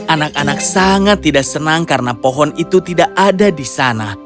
anak anak sangat tidak senang karena pohon itu tidak ada di sana